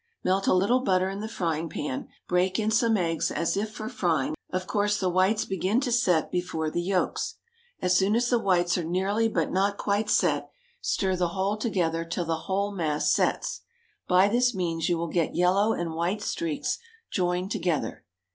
Melt a little butter in the frying pan, break in some eggs, as if for frying; of course, the whites begin to set before the yolks. As soon as the whites are nearly but not quite set, stir the whole together till the whole mass sets. By this means you will get yellow and white streaks joined together.